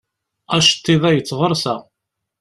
Aceṭṭiḍ-a yettɣersa.